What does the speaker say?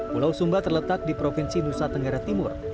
pulau sumba terletak di provinsi nusa tenggara timur